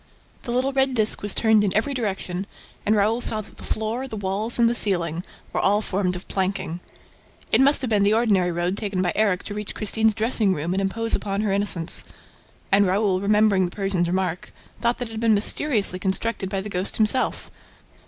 The little red disk was turned in every direction and Raoul saw that the floor, the walls and the ceiling were all formed of planking. It must have been the ordinary road taken by Erik to reach Christine's dressing room and impose upon her innocence. And Raoul, remembering the Persian's remark, thought that it had been mysteriously constructed by the ghost himself.